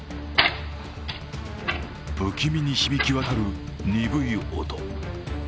不気味に響き渡る鈍い音。